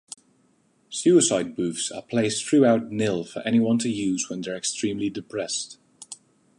Suicide booths are placed throughout Nil for anyone to use when they're extremely depressed.